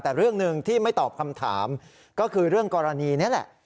แต่เรื่องหนึ่งที่ไม่ตอบคำถามก็คือเรื่องกรณีนี้แหละ